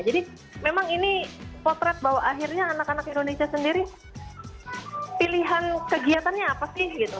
jadi memang ini potret bahwa akhirnya anak anak indonesia sendiri pilihan kegiatannya apa sih